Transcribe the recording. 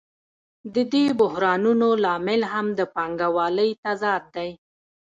د دې بحرانونو لامل هم د پانګوالۍ تضاد دی